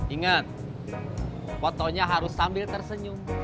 ingat fotonya harus sambil tersenyum